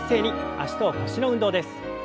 脚と腰の運動です。